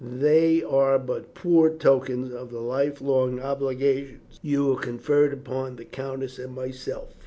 They are but poor tokens of the life long obligations you have conferred upon the countess and myself."